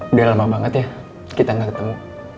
udah lama banget ya kita gak ketemu